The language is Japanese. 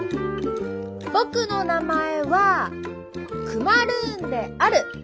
「僕の名前はクマルーンである」